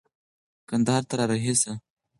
کندهار ته را رهي شه.